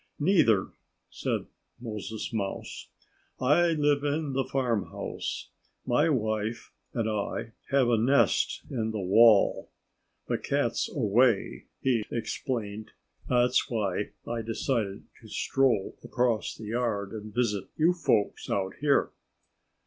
"Neither!" said Moses Mouse. "I live in the farmhouse. My wife and I have a nest in the wall.... The cat's away," he explained. "That's why I decided to stroll across the yard and visit you folks out here."